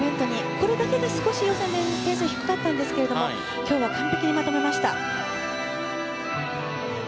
これだけが少し予選で点数が低かったんですが今日は完璧にまとめました。